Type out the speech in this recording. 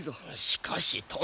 しかし殿。